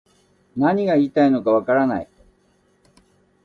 何が言いたいのかわからない